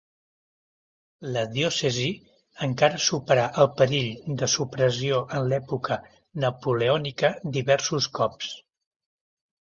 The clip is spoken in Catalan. La diòcesi encara superà el perill de supressió en l'època napoleònica diversos cops.